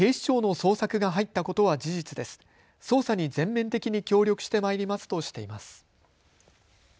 捜査に全面的に協力してまいりますとしています。